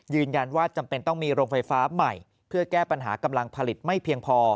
จำเป็นต้องมีโรงไฟฟ้าใหม่เพื่อแก้ปัญหากำลังผลิตไม่เพียงพอ